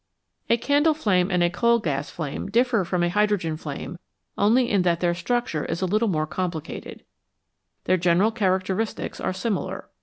A candle flame and a coal gas flame differ from a hydrogen flame only in that their structure is a little more complicated ; their general characteristics are similar.